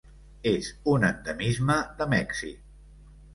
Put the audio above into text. És un endemisme de Mèxic.